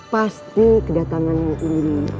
pasti kedatanganmu ini